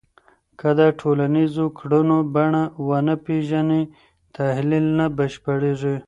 که د ټولنیزو کړنو بڼه ونه پېژنې، تحلیل نه بشپړېږي